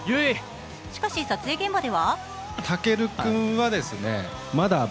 しかし、撮影現場では？